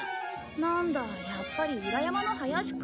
なんだやっぱり裏山の林か。